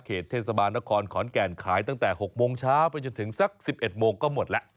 เทศบาลนครขอนแก่นขายตั้งแต่๖โมงเช้าไปจนถึงสัก๑๑โมงก็หมดแล้ว